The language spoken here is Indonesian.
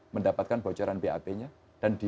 mendapatkan bocoran bap nya dan di